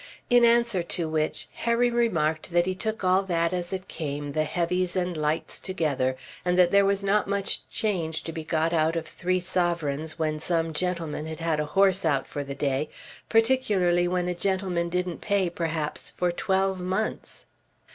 In answer to which Harry remarked that he took all that as it came, the heavies and lights together, and that there was not much change to be got out of three sovereigns when some gentlemen had had a horse out for the day, particularly when a gentleman didn't pay perhaps for twelve months.